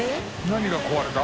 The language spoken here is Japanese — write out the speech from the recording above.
何が壊れた？